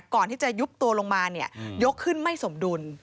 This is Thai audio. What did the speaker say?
ก่อนที่จะยุบตัวลงมายกขึ้นไม่สมดุล